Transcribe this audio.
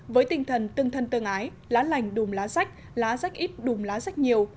với tinh thần tương thân tương ái lá lành đùm lá rách lá rách ít đùm lá rách nhiều